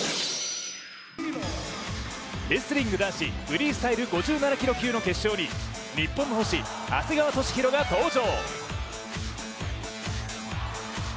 レスリング男子フリースタイル５７キロ級の決勝に日本の星、長谷川敏裕が登場。